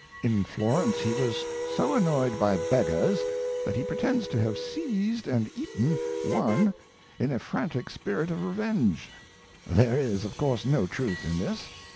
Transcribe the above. In Florence he was so annoyed by beggars that he pretends to have seized and eaten one in a frantic spirit of revenge. There is, of course, no truth in this.